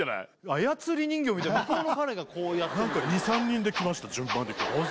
操り人形みたい向こうの彼がこうやって何か２３人で来ました順番にあ